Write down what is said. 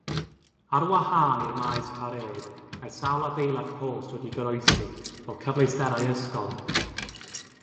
Ar wahân i'r maes parêd, mae sawl adeilad post wedi goroesi fel cyfleusterau ysgol.